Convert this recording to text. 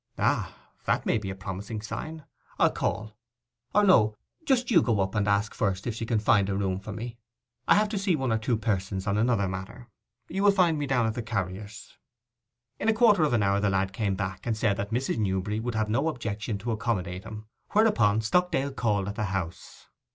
'Ah, that may be a promising sign: I'll call. Or no; just you go up and ask first if she can find room for me. I have to see one or two persons on another matter. You will find me down at the carrier's.' In a quarter of an hour the lad came back, and said that Mrs. Newberry would have no objection to accommodate him, whereupon Stockdale called at the house.